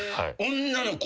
女の子？